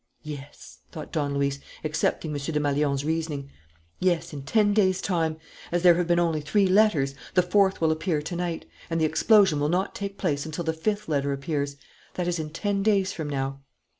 "Yes," thought Don Luis, accepting M. Desmalions's reasoning, "yes, in ten days' time. As there have been only three letters, the fourth will appear to night; and the explosion will not take place until the fifth letter appears that is in ten days from now."